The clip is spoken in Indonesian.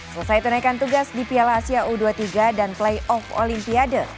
selesai tunaikan tugas di piala asia u dua puluh tiga dan playoff olimpiade